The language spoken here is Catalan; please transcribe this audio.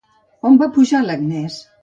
On va pujar l'Agnès?